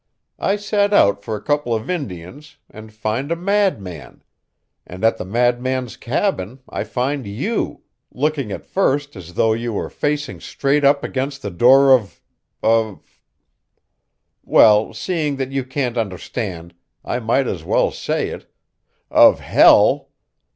I set out for a couple of Indians, and find a madman; and at the madman's cabin I find YOU, looking at first as though you were facing straight up against the door of of well, seeing that you can't understand I might as well say it OF HELL!